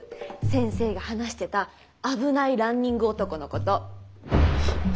先生が話してた「危ないランニング男」のこと。